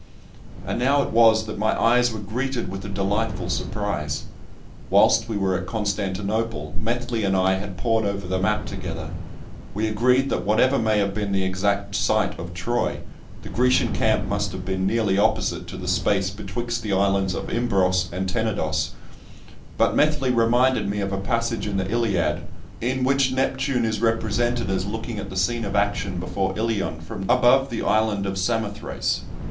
And now it was that my eyes were greeted with a delightful surprise. Whilst we were at Constantinople, Methley and I had pored over the map together. We agreed that whatever may have been the exact site of Troy, the Grecian camp must have been nearly opposite to the space betwixt the islands of Imbros and Tenedos, "Μεσσηyυς Τενεδοιο και Ιμβρου παιπαλοεσσης," but Methley reminded me of a passage in the Iliad in which Neptune is represented as looking at the scene of action before Ilion from above the island of Samothrace.